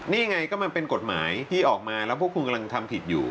นี่ไงก็มันเป็นกฎหมายที่ออกมาแล้วพวกคุณกำลังทำผิดอยู่